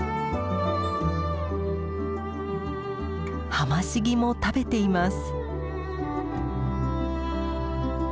ハマシギも食べています。